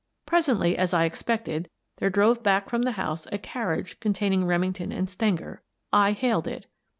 Presently, as I expected, there drove back from the house a carriage containing Remington and Stenger. I hailed it.